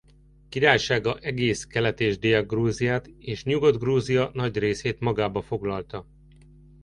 Királysága egész Kelet- és Dél-Grúziát és Nyugat-Grúzia nagy részét magába foglalta.